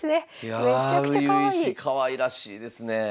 かわいらしいですねえ。